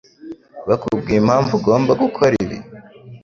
Bakubwiye impamvu ugomba gukora ibi?